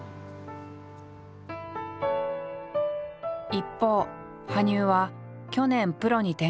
一方羽生は去年プロに転向。